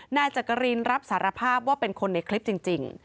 นายจักรินรับสารภาพว่าเป็นคนในคลิปจริง